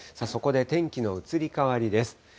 そこで天気の移り変わりです。